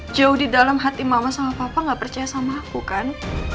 jauh di dalam hati mama sama papa gak percaya sama aku kan